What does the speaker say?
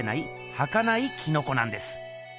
はかないキノコなんです。